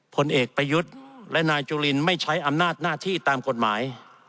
ผลเอกประยุทธ์และนายจุลินไม่ใช้อำนาจหน้าที่ตามกฎหมาย